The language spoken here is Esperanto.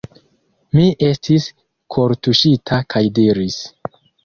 Mi estis kortuŝita kaj diris: